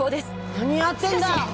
何やってんだ！